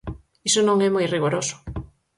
Iso non é moi rigoroso.